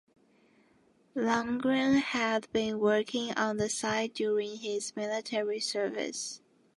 Lundgren had been working on the site during his military service.